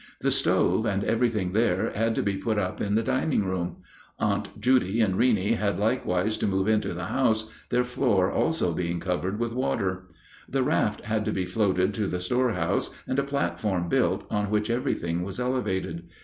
The stove and everything there had to be put up in the dining room. Aunt Judy and Reeney had likewise to move into the house, their floor also being covered with water. The raft had to be floated to the storehouse and a platform built, on which everything was elevated.